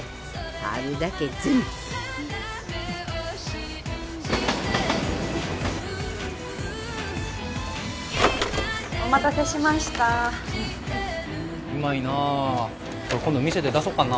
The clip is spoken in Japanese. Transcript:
あるだけ全部お待たせしましたうまいなこれ今度店で出そっかな